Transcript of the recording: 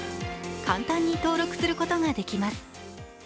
簡単に登録することができます。